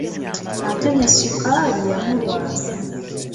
Ate ne sukaali yamulwaza.